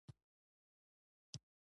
سود د انسانیت ضد دی.